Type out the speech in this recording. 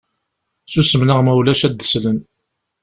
Ssusem neɣ ma ulac ad d-slen.